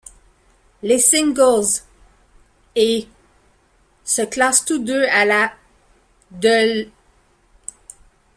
Les singles ' et ' se classent tous deux à la de l'.